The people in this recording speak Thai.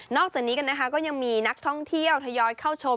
อกจากนี้กันนะคะก็ยังมีนักท่องเที่ยวทยอยเข้าชม